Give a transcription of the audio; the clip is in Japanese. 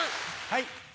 はい。